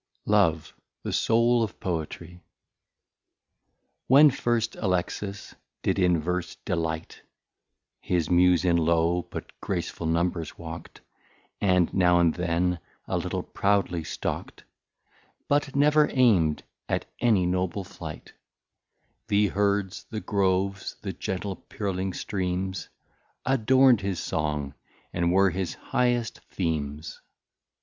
Love, the Soul of Poetry. When first Alexis did in Verse delight, His Muse in Low, but Graceful Numbers walk't, And now and then a little Proudly stalk't; But never aim'd at any noble Flight: The Herds, the Groves, the gentle purling Streams, Adorn'd his Song, and were his highest Theams.